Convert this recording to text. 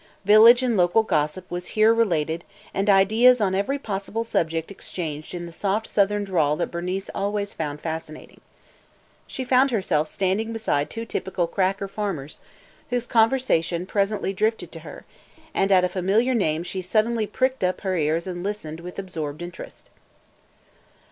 Village and local gossip was here retailed and ideas on every possible subject exchanged in the soft Southern drawl that Bernice always found fascinating. She found herself standing beside two typical "cracker" farmers, whose conversation presently drifted to her, and at a familiar name she suddenly pricked up her ears and listened with absorbed interest.